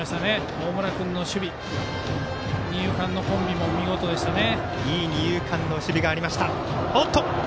大村君の守備二遊間のコンビも見事でしたね。